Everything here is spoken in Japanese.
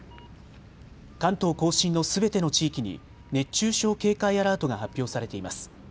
関東甲信のすべての地域に熱中症警戒アラートが発表されています。